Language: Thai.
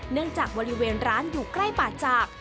เนื่องจากวันอยู่เวียนร้านอยู่ใกล้ป่าจาก